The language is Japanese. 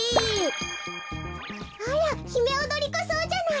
あらヒメオドリコソウじゃない！